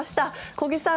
小木さん